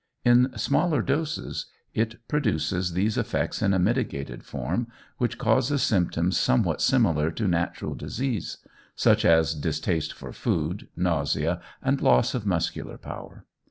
In smaller doses it produces these effects in a mitigated form, which causes symptoms somewhat similar to natural disease, such as distaste for food, nausea, and loss of muscular power.